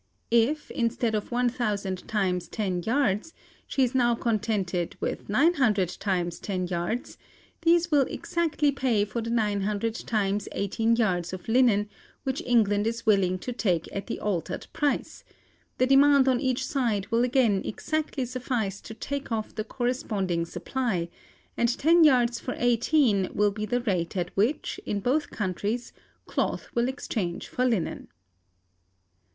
If, instead of 1,000 times ten yards, she is now contented with 900 times ten yards, these will exactly pay for the 900 times eighteen yards of linen which England is willing to take at the altered price; the demand on each side will again exactly suffice to take off the corresponding supply; and ten yards for eighteen will be the rate at which, in both countries, cloth will exchange for linen.